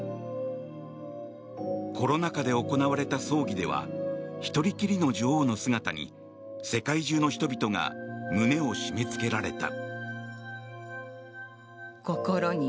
コロナ禍で行われた葬儀には一人きりの女王の姿に世界中の人々が胸を締め付けられた。